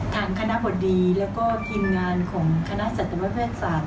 ทางคณะบดีแล้วก็ทีมงานของคณะสัตวแพทย์ศาสต